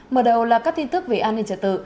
mở đầu là các tin tức về an ninh trật tự